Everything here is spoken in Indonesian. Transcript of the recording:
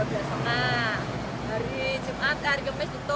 hari jumat hari kepes tutup